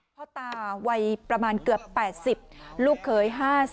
พ่อตาวัยประมาณเกือบ๘๐ลูกเขย๕๐